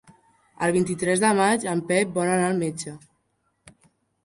El vint-i-tres de maig en Pep vol anar al metge.